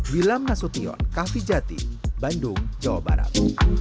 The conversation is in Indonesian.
wilam nasution kahvijati bandung jawa barat